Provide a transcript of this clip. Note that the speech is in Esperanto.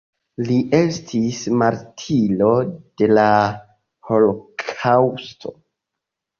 Li estis martiro de la holokaŭsto.